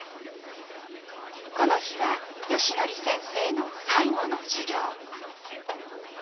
この日はよしのり先生の最後の授業。